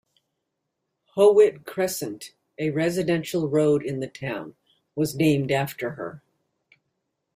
Howitt Crescent, a residential road in the town, was named after her.